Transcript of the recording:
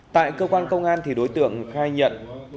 tại cơ quan công an đối tượng khai nhận